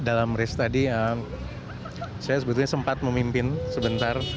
dalam race tadi saya sempat memimpin sebentar